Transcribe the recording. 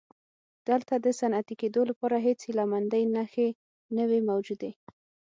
دلته د صنعتي کېدو لپاره هېڅ هیله مندۍ نښې نه وې موجودې.